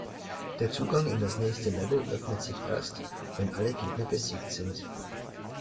Der Zugang in das nächste Level öffnet sich erst, wenn alle Gegner besiegt sind.